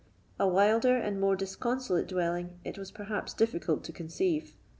A wilder or more disconsolate dwelling it was perhaps difficult to conceive.